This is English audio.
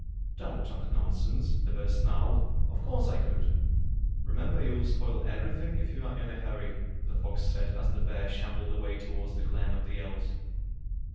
"Don't talk nonsense," the bear snarled. "Of course I could." "Remember you will spoil everything if you are in a hurry," the fox said as the bear shambled away toward the glen of the elves.